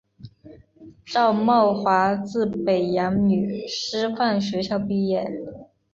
赵懋华自北洋女师范学校毕业。